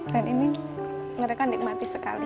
dan ini mereka nikmati sekali